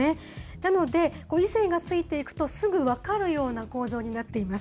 なので、異性がついていくと、すぐ分かるような構造になっています。